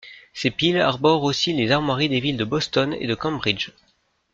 Ces piles arborent aussi les armoiries des villes de Boston et de Cambridge.